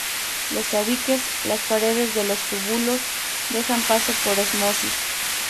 Los tabiques, las paredes de los túbulos, dejan paso por ósmosis.